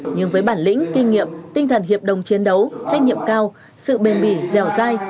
nhưng với bản lĩnh kinh nghiệm tinh thần hiệp đồng chiến đấu trách nhiệm cao sự bền bỉ dẻo dai